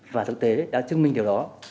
và thực tế đã chứng minh điều đó